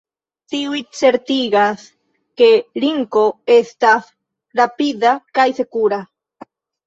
Tiuj certigas, ke Linko estas rapida kaj sekura.